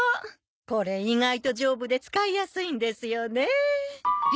これ意外と丈夫で使いやすいんですよねえ。